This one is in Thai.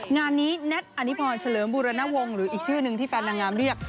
งานนี้แน็ตอนิพรเฉลิมบูรณวงศ์หรืออีกชื่อนึงที่แฟนนางงามเรียก